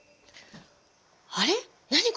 あれっ何？